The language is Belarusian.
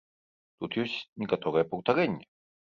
Тут ёсць некаторае паўтарэнне.